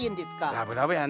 ラブラブやな！